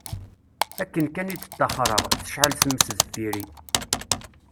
Akken kan i d-ṭṭaxreɣ, tecɛel tmes deffir-i.